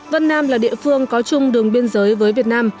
vân nam là địa phương có chung đường biên giới với việt nam